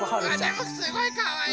でもすごいかわいい！